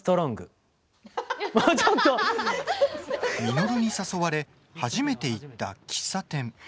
稔に誘われ初めて行った喫茶店。